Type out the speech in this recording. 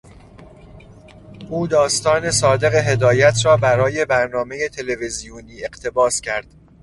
او داستان صادق هدایت را برای برنامهی تلویزیونی اقتباس کرد.